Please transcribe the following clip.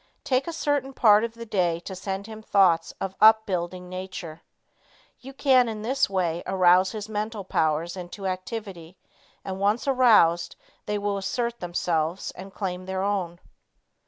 Take a certain part of the day to send him thoughts of an up building nature. You can in this way arouse his mental powers into activity, and once aroused, they will assert themselves and claim their own.